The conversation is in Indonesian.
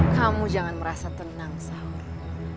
kamu jangan merasa tenang sampai